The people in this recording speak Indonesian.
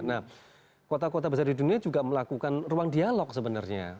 nah kota kota besar di dunia juga melakukan ruang dialog sebenarnya